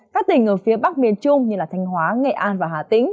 các tỉnh ở phía bắc miền trung như thanh hóa nghệ an và hà tĩnh